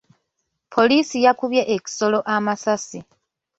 Poliisi yakubye ekisolo amasasi.